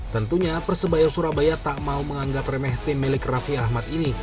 tentunya persebaya surabaya tak mau menganggap remeh tim milik raffi ahmad ini